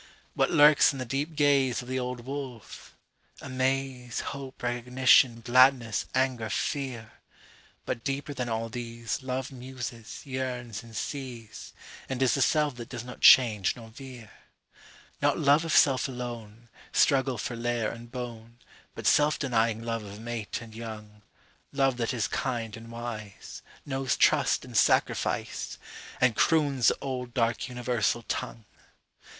…What lurks in the deep gazeOf the old wolf? Amaze, Hope, recognition, gladness, anger, fear. But deeper than all theseLove muses, yearns, and sees, And is the self that does not change nor veer. Not love of self alone, Struggle for lair and bone, But self denying love of mate and young, Love that is kind and wise, Knows trust and sacrifice, And croons the old dark universal tongue.